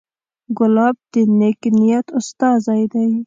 ګلاب د نیک نیت استازی دی.